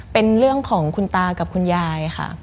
เป็นเรื่องของคุณตากับคุณยายค่ะ